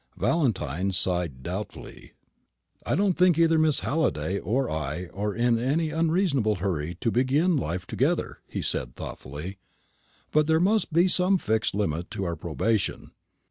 Valentine sighed doubtfully. "I don't think either Miss Halliday or I are in an unreasonable hurry to begin life together," he said thoughtfully; "but there must be some fixed limit to our probation.